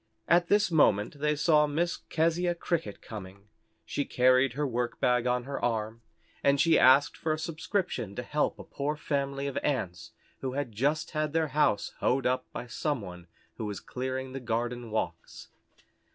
At this moment they saw Miss Keziah Cricket coming. She carried her workbag on her arm, and she asked for a subscription to help a poor family of Ants who had just had their house hoed up by some one who was clearing the garden walks.